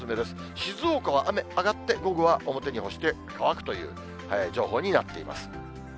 静岡は雨上がって、午後は表に干して乾くという情報になっています。